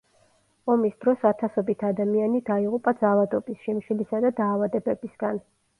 ომის დროს ათასობით ადამიანი დაიღუპა ძალადობის, შიმშილისა და დაავადებებისგან.